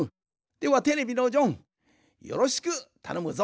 ではテレビのジョンよろしくたのむぞ。